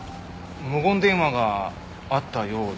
無言電話があったようですがね。